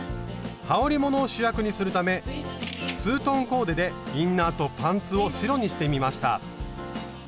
はおりものを主役にするためツートンコーデでインナーとパンツを白にしてみました。